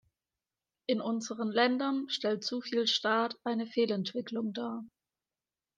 In unseren Ländern stellt zuviel Staat eine Fehlentwicklung dar.